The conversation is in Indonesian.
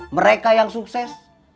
mereka yang sukses